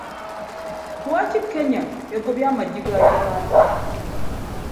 Lwaki Kenya ego ye amagi ga Uganda.